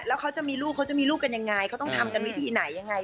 แล้วเค้าจะมีลูกเค้าจะมีลูกกันยังไงเค้าต้องทำยังไงว่าอย่างงี้